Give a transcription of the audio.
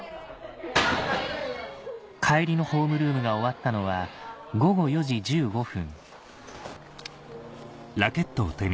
帰りのホームルームが終わったのは午後４時１５分